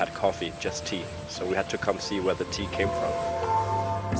jadi kami harus datang untuk melihat dari mana minum teh datang